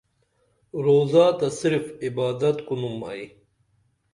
روزا تہ صرف عبادت کُنُم ائی